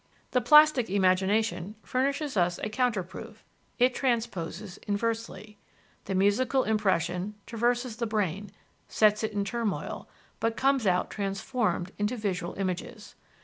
The plastic imagination furnishes us a counter proof: it transposes inversely. The musical impression traverses the brain, sets it in turmoil, but comes out transformed into visual images.